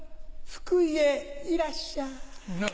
福井へいらっしゃい。